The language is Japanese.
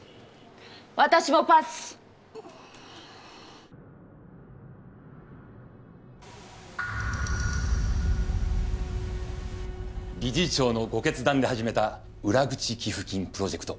私もパス理事長のご決断で始めた裏口寄付金プロジェクト